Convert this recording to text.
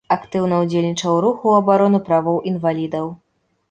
Актыўна ўдзельнічаў у руху ў абарону правоў інвалідаў.